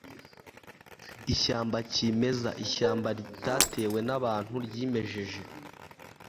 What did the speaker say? ishyamba kimeza ishyamba ritatewe n'abantu, ryimejeje